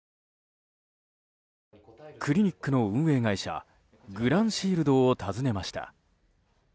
クリニックの運営会社グランシールドを訪ねました。